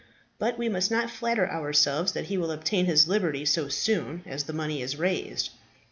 But we must not flatter ourselves that he will obtain his liberty so soon as the money is raised.